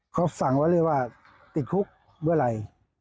เขาสั่งว่าเรียกว่าติดคุกเวลา